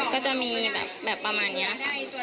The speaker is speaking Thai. ก็จะมีแบบประมาณนี้